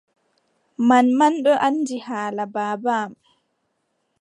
Manman ɗon anndi haala baaba am.